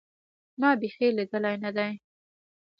ما بيخي ليدلى نه دى.